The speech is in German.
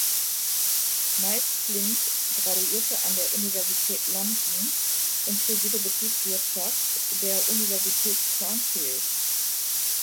Miles Flint graduierte an der Universität London und studierte Betriebswirtschaft der Universität Cranfield.